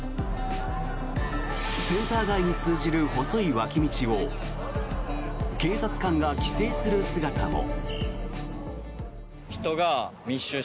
センター街に通じる細い脇道を警察官が規制する姿も。